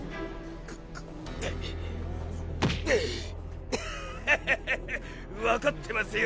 ガハハハ分かってますよ。